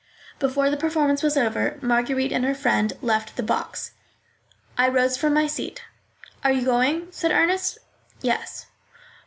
Before the performance was over Marguerite and her friend left the box. I rose from my seat. "Are you going?" said Ernest. "Yes."